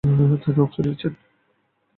তিনি অংশ নিয়েছেন।